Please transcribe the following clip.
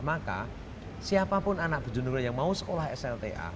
maka siapapun anak bujonegoro yang mau sekolah slta